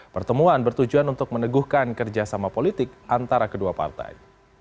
pertemuan bertujuan untuk meneguhkan kerjasama politik antara kedua partai